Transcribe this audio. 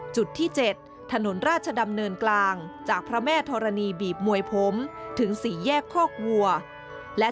จุดที่๗ถนนราชดำเนินกลางจากพระแม่ธรณีบีบมวยผมถึง๔แยกคอกวัวและ